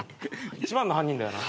一番の犯人だよな。